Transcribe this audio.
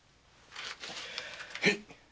へい！